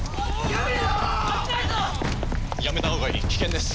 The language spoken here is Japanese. やめたほうがいい危険です。